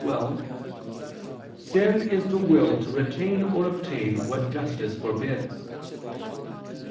xii): "Sin is the will to retain or obtain what justice forbids."